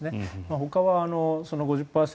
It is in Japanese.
ほかは５０％。